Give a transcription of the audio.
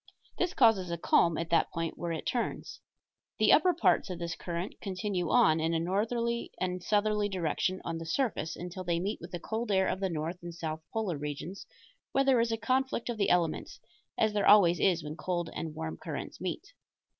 This causes a calm at that point where it turns. The upper parts of this current continue on, in a northerly and southerly direction, on the surface until they meet with the cold air of the north and south polar regions, where there is a conflict of the elements as there always is when cold and warm currents meet.